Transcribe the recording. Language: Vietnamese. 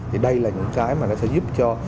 thì đây là những cái mà sẽ giúp cho